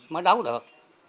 mới đấu được